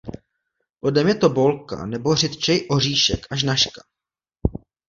Plodem je tobolka nebo řidčeji oříšek až nažka.